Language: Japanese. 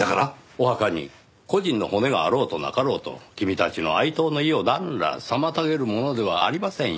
お墓に故人の骨があろうとなかろうと君たちの哀悼の意をなんら妨げるものではありませんよ。